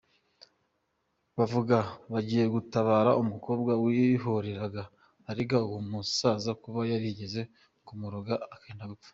Bavuga bagiye gutabara umukobwa wihoreraga arega uwo musaza kuba yarigeze kumuroga akenda gupfa.